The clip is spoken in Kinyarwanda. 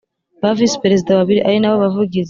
Ba Visi perezida babiri ari nabo bavugizi